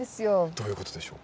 どういうことでしょう？